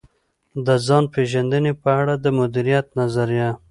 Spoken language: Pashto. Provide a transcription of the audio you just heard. د ځان پېژندنې په اړه د مديريت نظريه.